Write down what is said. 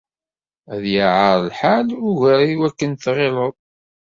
Ad yaɛer lḥal ugar n wakken i tɣileḍ.